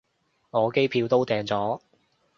我機票都訂咗